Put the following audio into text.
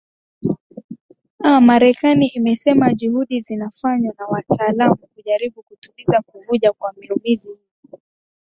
a marekani imesema juhudi zinafanywa na wataalam kujaribu kutuliza kuvuja kwa miuzi hiyo